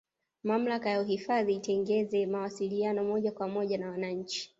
mamlaka ya uhifadhi itengeze mawasiliano ya moja kwa moja na wananchi